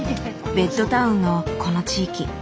ベッドタウンのこの地域。